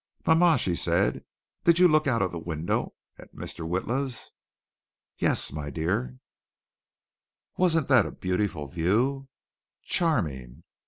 "Ma ma," she said, "did you look out of the window at Mr. Witla's?" "Yes, my dear!" "Wasn't that a beautiful view?" "Charming."